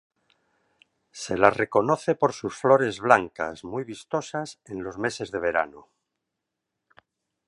Se la reconoce por sus flores blancas muy vistosas en los meses de verano.